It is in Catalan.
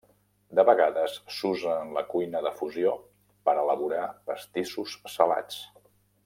De vegades s'usa en la cuina de fusió per elaborar pastissos salats.